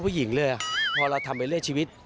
พอเราทำไปเรื่อยชีวิต